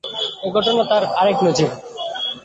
এ ঘটনা তার আরেক নজির।